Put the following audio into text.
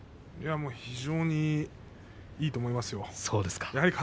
非常にいいと思いますよ。